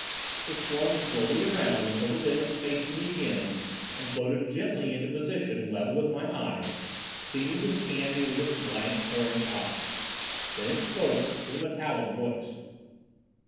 It swung slowly around until the lens faced me again, and floated gently into position level with my face, seeming to scan me with its blank, four inch eye. Then it spoke, with a metallic voice.